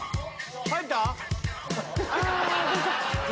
入った？